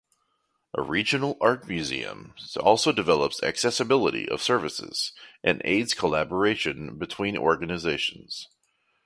A regional art museum also develops accessibility of services and aids collaboration between organizations.